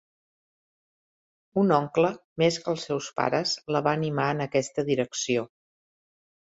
Un oncle, més que els seus pares, la va animar en aquesta direcció.